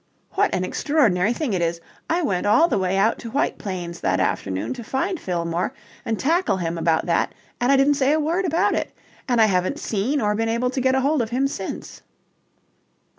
"What an extraordinary thing it is I went all the way out to White Plains that afternoon to find Fillmore and tackle him about that and I didn't say a word about it. And I haven't seen or been able to get hold of him since."